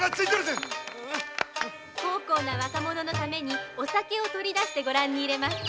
孝行な若者のためにお酒を出してご覧に入れます。